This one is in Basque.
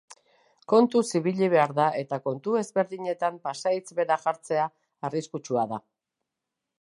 Kontuz ibili behar da eta kontu ezberdinetan pasahitz bera jartzea arriskutsua da.